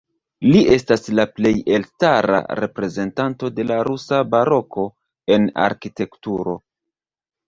Li estas la plej elstara reprezentanto de la rusa baroko en arkitekturo.